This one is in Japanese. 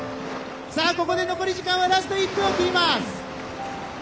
さあここで残り時間はラスト１分を切ります。